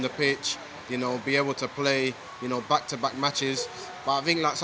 tapi saya pikir yang paling penting untuk kita adalah mentalitas